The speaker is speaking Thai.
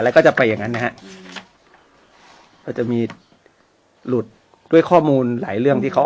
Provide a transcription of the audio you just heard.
แล้วก็จะไปอย่างนั้นนะฮะก็จะมีหลุดด้วยข้อมูลหลายเรื่องที่เขา